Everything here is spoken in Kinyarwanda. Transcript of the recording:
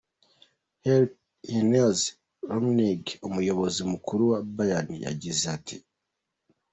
Karl-Heinz Rummenigge, umuyobozi mukuru wa Bayern, yagize ati:.